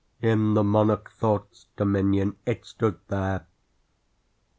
In the monarch Thought's dominion It stood there!